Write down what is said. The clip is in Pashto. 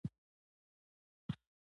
د محکمې فیسونه عاید دی